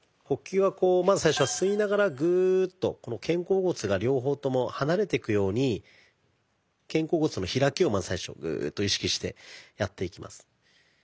呼吸はこうまず最初は吸いながらグーッと肩甲骨が両方とも離れてくように肩甲骨の開きをまず最初はグーッと意識してやっていきます。